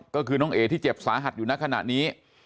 ก็คือน้องเอ๋ที่เจ็บสาหัสอยู่ในขณะนี้